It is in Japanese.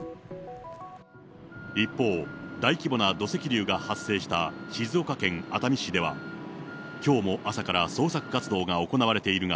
一方、大規模な土石流が発生した静岡県熱海市では、きょうも朝から捜索活動が行われているが、